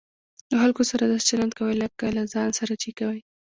له خلکو سره داسي چلند کوئ؛ لکه له ځان سره چې کوى.